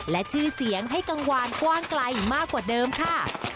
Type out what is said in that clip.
และชื่อเสียงให้กังวานกว้างไกลมากกว่าเดิมค่ะ